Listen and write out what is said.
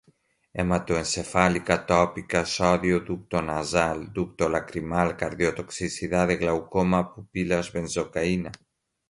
hematoencefálica, tópica, sódio, ducto nasal, ducto lacrimal, cardiotoxicidade, glaucoma, pupilas, benzocaína